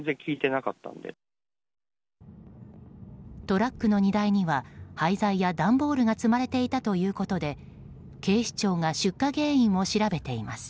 トラックの荷台には廃材や段ボールが積まれていたということで警視庁が出火原因を調べています。